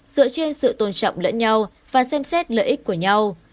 dựa trên sự tôn trọng lẫn nhau và xem xét lợi ích của nhau